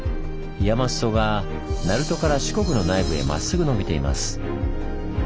山裾が鳴門から四国の内部へまっすぐ伸びています。